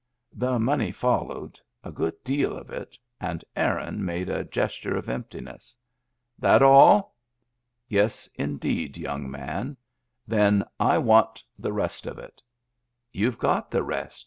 The money followed, a good deal of it, and Aaron made a gesture of emptiness. "Thatall?*' " Yes, indeed, young man." " Then I want the rest of it" "You've got the rest.